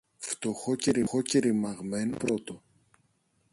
φτωχό και ρημαγμένο σαν το πρώτο.